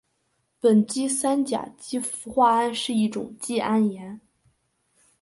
苯基三甲基氟化铵是一种季铵盐。